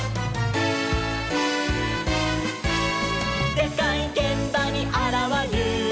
「でっかいげんばにあらわる！」